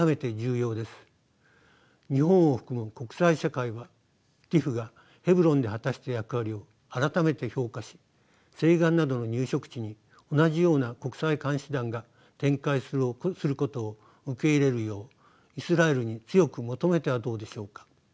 日本を含む国際社会はＴＩＰＨがヘブロンで果たした役割を改めて評価し西岸などの入植地に同じような国際監視団が展開することを受け入れるようイスラエルに強く求めてはどうでしょうか。